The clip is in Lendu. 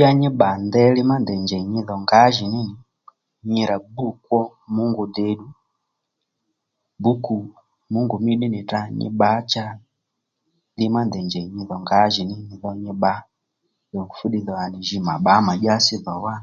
Ya nyi bbà ndeyli má ndèy njèy nyi dhò ngǎjìní nì nyi rà mb kwo mungu dèddù bǔkù mungu mí ddí nì tdrǎ nyi bbǎ cha li ma ndèy njèy nyi dhò ngǎjìnì li dhò nyi bbǎ dòng fúddiy dhò à nì jǐ mà bbǎ mà dyási dhò wá